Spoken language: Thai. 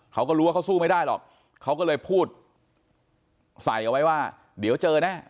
เขาก็รู้ว่าเขาสู้ไม่ได้หรอกเขาก็เลยพูดใส่เอาไว้ว่าเดี๋ยวเจอแน่